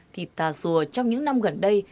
thì tà sùa trong những năm gần đây